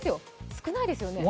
少ないですよね。